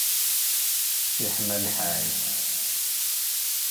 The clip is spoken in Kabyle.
Yeḥma lḥal.